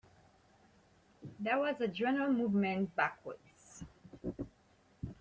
There was a general movement backwards.